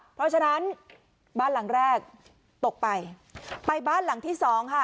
เพราะฉะนั้นบ้านหลังแรกตกไปไปบ้านหลังที่สองค่ะ